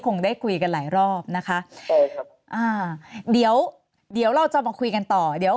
คงได้คุยกันหลายรอบนะคะใช่ครับอ่าเดี๋ยวเดี๋ยวเราจะมาคุยกันต่อเดี๋ยว